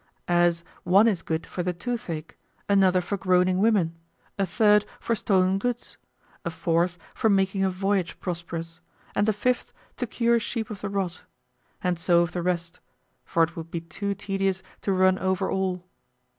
As, one is good for the toothache; another for groaning women; a third, for stolen goods; a fourth, for making a voyage prosperous; and a fifth, to cure sheep of the rot; and so of the rest, for it would be too tedious to run over all.